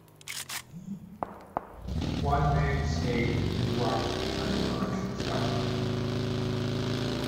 One man stayed and watched the unconscious doctor.